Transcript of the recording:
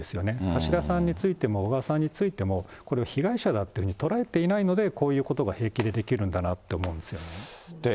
橋田さんについても小川さんについても、これを被害者だっていうふうに捉えていないので、こういうことが平気でできるんだなって思うんですよ。